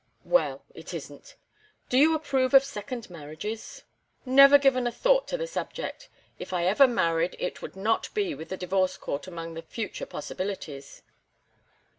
"Well, it isn't. Do you approve of second marriages?" "Never given a thought to the subject. If ever I married it would not be with the divorce court among the future possibilities."